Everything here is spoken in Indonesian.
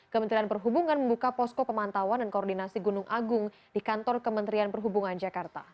kementerian perhubungan membuka posko pemantauan dan koordinasi gunung agung di kantor kementerian perhubungan jakarta